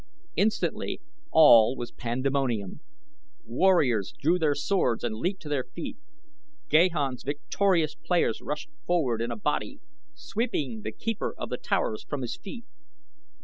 Instantly all was pandemonium. Warriors drew their swords and leaped to their feet. Gahan's victorious players rushed forward in a body, sweeping The Keeper of the Towers from his feet.